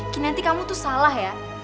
kinanti kamu tuh salah ya